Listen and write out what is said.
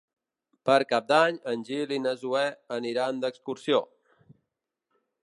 Per Cap d'Any en Gil i na Zoè aniran d'excursió.